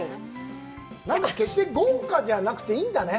決して豪華じゃなくていいんだね。